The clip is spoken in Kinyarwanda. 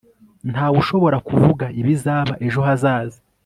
ntawushobora kuvuga ibizaba ejo hazaza